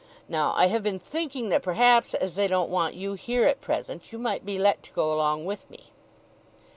Now, I have been thinking that perhaps, as they don't want you here at present, you might be let to go along with me.